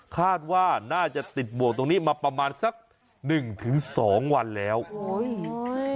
คาดว่าน่าจะติดบวกตรงนี้มาประมาณสักหนึ่งถึงสองวันแล้วโอ้ย